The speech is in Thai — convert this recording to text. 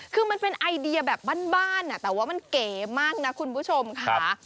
คือมันเป็นไอเดียแบบบ้านแต่ว่ามันเก๋มากนะคุณผู้ชมค่ะ